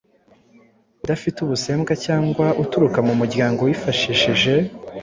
udafite ubusembwa cyangwa uturuka mu muryango wifashije.